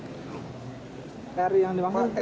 r yang dimanggung